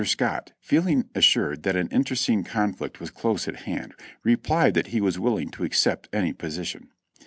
Scott, feeling assured that an internecine conflict was close at hand, replied that he was willing to accept any position.